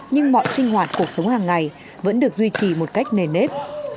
nhưng mọi sinh hoạt cuộc sống hàng ngày vẫn được duy trì một cách nền nếp